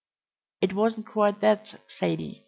"It wasn't quite that, Zaidie.